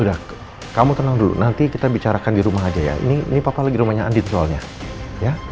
udah kamu tenang dulu nanti kita bicarakan di rumah aja ya ini papa lagi rumahnya adit soalnya ya